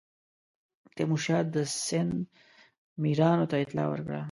تیمورشاه د سند میرانو ته اطلاع ورکړه.